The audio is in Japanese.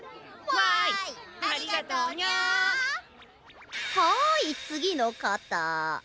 はいつぎのかた。